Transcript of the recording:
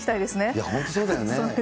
いや、本当そうだよね。